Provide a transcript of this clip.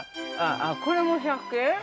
あっ、これも１００円？